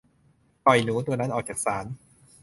ปล่อยหนูตัวนั้นออกจากศาล